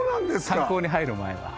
炭鉱に入る前は。